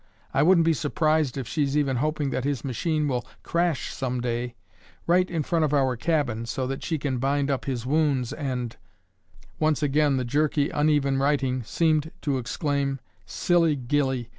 I wouldn't be surprised if she's even hoping that his machine will crash some day right in front of our cabin so that she can bind up his wounds and—" Once again the jerky, uneven writing seemed to exclaim, "Silly gilly!